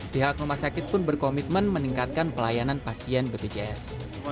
pihak rumah sakit pun berkomitmen meningkatkan pelayanan pasien bpjs